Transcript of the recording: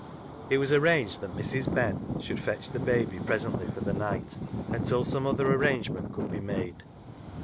It was arranged that Mrs. Ben should fetch the baby presently for the night, until some other arrangement could be made.